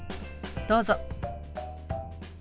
どうぞ。